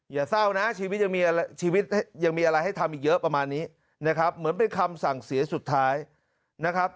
อย่าเศร้านะชีวิตยังมีชีวิตยังมีอะไรให้ทำอีกเยอะประมาณนี้นะครับเหมือนเป็นคำสั่งเสียสุดท้ายนะครับ